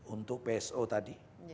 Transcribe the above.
untuk pso tadi